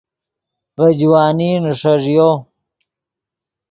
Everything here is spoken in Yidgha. ڤے جوانی نیݰݱیو